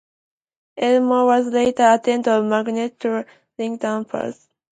Ellen More was later an attendant of Margaret Tudor at Linlithgow Palace.